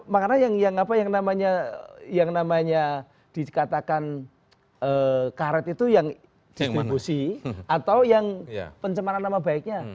makanya yang namanya dikatakan karet itu yang distribusi atau yang pencerman nama baiknya